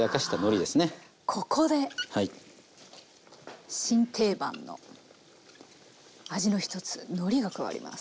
ここで新定番の味の一つのりが加わります。